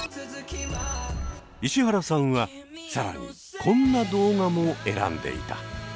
石原さんは更にこんな動画も選んでいた。